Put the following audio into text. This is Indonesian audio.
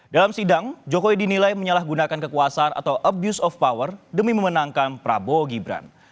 dalam sidang jokowi dinilai menyalahgunakan kekuasaan atau abuse of power demi memenangkan prabowo gibran